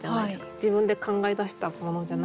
自分で考え出したものじゃないから。